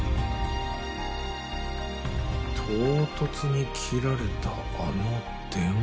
唐突に切られたあの電話。